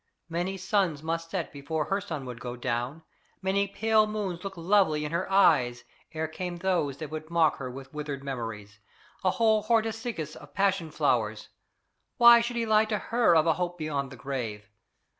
Many suns must set before her sun would go down, many pale moons look lovely in her eyes, ere came those that would mock her with withered memories a whole hortus siccus of passion flowers. Why should he lie to HER of a hope beyond the grave?